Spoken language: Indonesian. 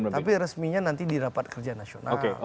tapi resminya nanti di rapat kerja nasional